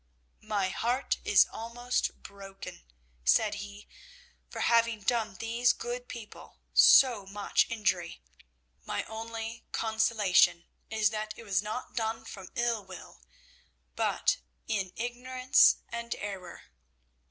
"'My heart is almost broken,' said he, 'for having done these good people so much injury. My only consolation is that it was not done from ill will, but in ignorance and error.'